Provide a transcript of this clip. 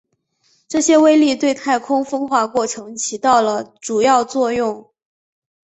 这些微粒对太空风化过程起到了主要作用。